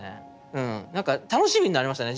うんなんか楽しみになりましたね